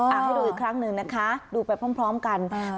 อ่าให้ดูอีกครั้งหนึ่งนะคะดูไปพร้อมพร้อมกันอ่า